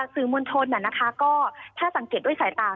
สื่อมวลชนก็แค่สังเกตด้วยสายตา